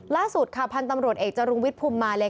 ล่าสุดค่ะพันธุ์ตำรวจเอกจรุงวิทย์ภูมิมาเลย